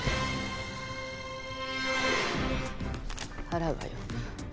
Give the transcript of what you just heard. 払うわよ。